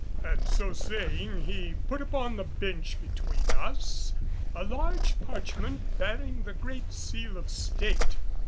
And so saying, he put upon the bench between us a large parchment bearing the Great Seal of State.